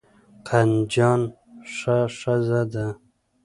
قندجان ښه ښځه ده.